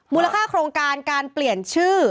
มูลค่าโครงการการเปลี่ยนชื่อ